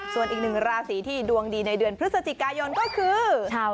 ส่วนอีกหนึ่งราศีที่ดวงดีในเดือนพฤศจิกายนก็คือ